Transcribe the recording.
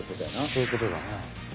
そういうことだね。